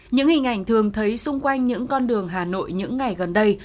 những hình ảnh thường thấy xung quanh những con đường hà nội những ngày gần đây